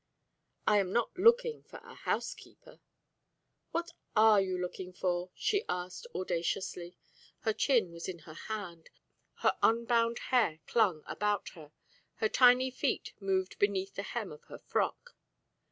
"I am not looking for a housekeeper." "What are you looking for?" she asked, audaciously. Her chin was in her hand; her unbound hair clung about her; her tiny feet moved beneath the hem of her frock.